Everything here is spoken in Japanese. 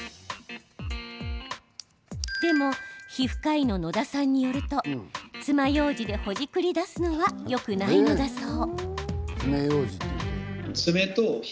でも皮膚科医の野田さんによるとつまようじでほじくり出すのはよくないのだそう。